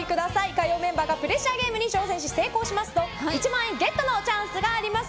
火曜メンバーがプレッシャーゲームに挑戦し成功しますと１万円ゲットのチャンスがあります。